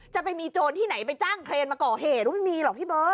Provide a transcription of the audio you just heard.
จะมีโจรที่ไหนไปจ้างเครนมาก่อเหตุไม่มีหรอกพี่เบิร์